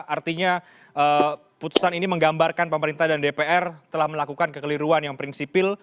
artinya putusan ini menggambarkan pemerintah dan dpr telah melakukan kekeliruan yang prinsipil